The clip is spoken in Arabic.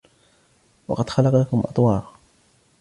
وَقَدْ خَلَقَكُمْ أَطْوَارًا